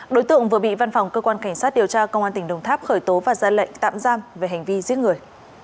đối tượng vừa bị văn phòng cơ quan cảnh sát điều tra công an tỉnh đồng tháp khởi tố và ra lệnh tạm giam về hành vi giết người